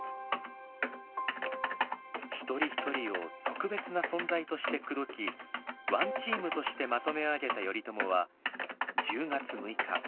一人一人を特別な存在として口説きワン・チームとしてまとめ上げた頼朝は１０月６日彼らを率い鎌倉に入ります。